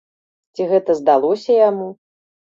Ці гэта здалося яму?